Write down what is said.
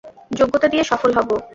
যোগ্যতা দিয়ে সফল হবো।